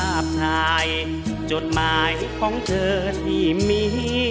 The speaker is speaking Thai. หลับทายจดหมายของเธอที่มี